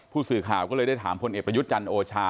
ผู้สื่อข่าวก็เลยได้ถามพลเอกประยุทธ์จันทร์โอชา